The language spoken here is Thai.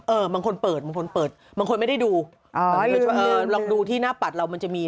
เออบางคนเปิดบางคนไม่ได้ดูลองดูที่หน้าปัดเรามันจะมี